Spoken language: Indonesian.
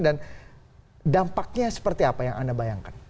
dan dampaknya seperti apa yang anda bayangkan